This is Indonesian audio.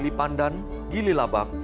sumbuhan ranyu xiyang